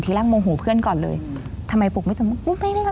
ทีแรกโมงหูเพื่อนก่อนเลยทำไมปุกไม่ตื่น